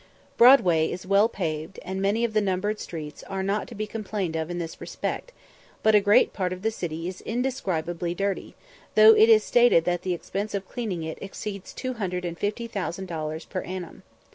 Broadway is well paved, and many of the numbered streets are not to be complained of in this respect, but a great part of the city is indescribably dirty, though it is stated that the expense of cleaning it exceeds 250,000 dollars per annum.